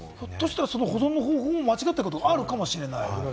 保存方法が間違ってることがあるかもしれない。